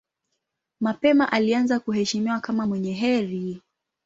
Mapema alianza kuheshimiwa kama mwenye heri.